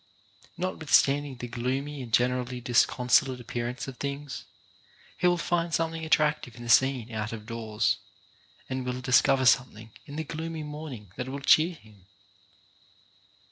Notwithstand ing the gloomy and generally disconsolate ap pearance of things, he will find something attrac tive in the scene out of doors, and will discover something in the gloomy morning that will cheer him.